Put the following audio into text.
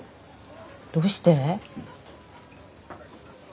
どうして？